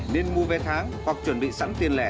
nên mua vé tháng hoặc chuẩn bị sẵn tiền lẻ